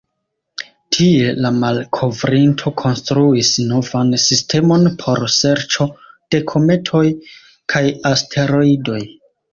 Tie, la malkovrinto konstruis novan sistemon por serĉo de kometoj kaj asteroidoj.